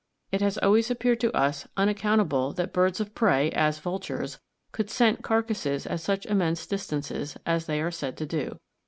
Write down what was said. "It has always appeared to us unaccountable that birds of prey, as vultures, could scent carcasses at such immense distances, as they are said to do.